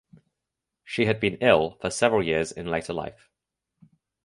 She had been ill for several years in later life.